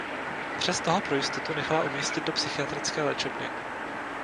Přesto ho pro jistotu nechala umístit do psychiatrické léčebny.